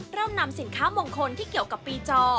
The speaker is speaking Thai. เริ่มนำสินค้ามงคลที่เกี่ยวกับปีจอ